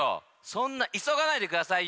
そんないそがないでくださいよ。